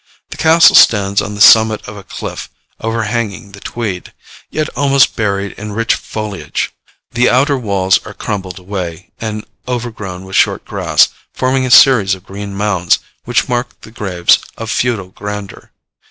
The castle stands on the summit of a cliff, overhanging the Tweed, yet almost buried in rich foliage. The outer walls are crumbled away, and overgrown with short grass, forming a series of green mounds, which mark the graves of feudal grandeur.